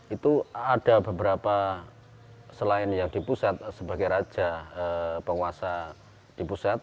itu ada beberapa selain yang di pusat sebagai raja penguasa di pusat